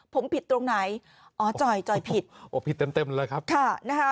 ผมผิดตรงไหนอ๋อจอยจ่อยผิดโอ้ผิดเต็มเต็มเลยครับค่ะนะคะ